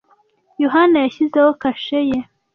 Yohana yashyizeho kashe ye